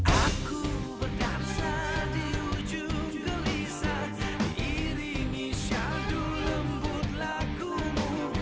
aku berdarsa di ujung gelisah